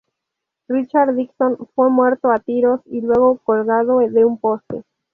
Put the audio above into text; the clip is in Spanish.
Richard Dixon fue muerto a tiros y luego colgado de un poste.